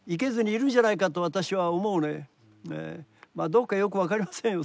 まあどうかよく分かりませんよ